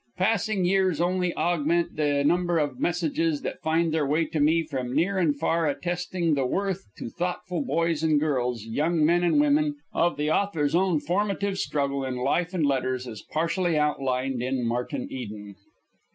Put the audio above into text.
Passing years only augment the number of messages that find their way to me from near and far, attesting the worth to thoughtful boys and girls, young men and women, of the author's own formative struggle in life and letters as partially outlined in "Martin Eden."